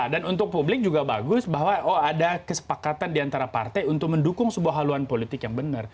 dan untuk publik juga bagus bahwa ada kesepakatan diantara partai untuk mendukung sebuah haluan politik yang benar